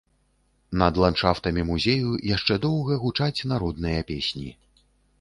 Над ландшафтамі музею яшчэ доўга гучаць народныя песні.